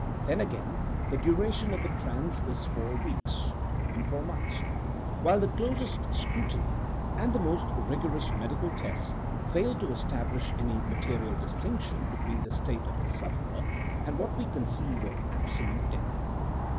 Then again the duration of the trance is for weeks even for months; while the closest scrutiny, and the most rigorous medical tests, fail to establish any material distinction between the state of the sufferer and what we conceive of absolute death.